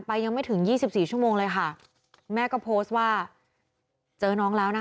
ไปยังไม่ถึง๒๔ชั่วโมงเลยค่ะแม่ก็โพสต์ว่าเจอน้องแล้วนะ